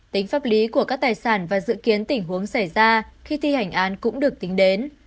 tính pháp lý của các tài sản và dự kiến tình huống xảy ra khi thi hành án cũng được tính đến